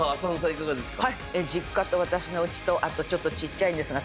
いかがですか？